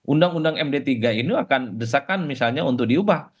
undang undang md tiga ini akan desakan misalnya untuk diubah